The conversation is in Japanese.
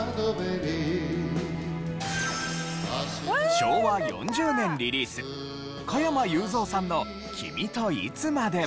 昭和４０年リリース加山雄三さんの『君といつまでも』。